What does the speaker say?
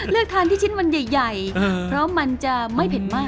เลือกทานที่ชิ้นมันใหญ่เพราะมันจะไม่เผ็ดมาก